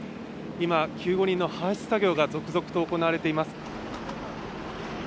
今、救護人の搬出作業が続々と行われています。